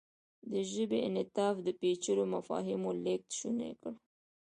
د ژبې انعطاف د پېچلو مفاهیمو لېږد شونی کړ.